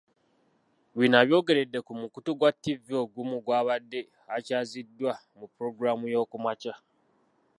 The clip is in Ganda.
Bino abyogeredde ku mukutu gwa ttivvi ogumu bw'abadde akyaziddwa mu Pulogulaamu y'okumakya.